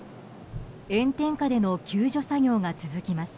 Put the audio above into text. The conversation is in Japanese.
炎天下での救助作業が続きます。